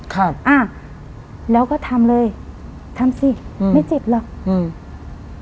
ครับอ่าแล้วก็ทำเลยทำสิอืมไม่เจ็บหรอกอืม